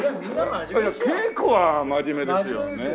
稽古は真面目ですよね。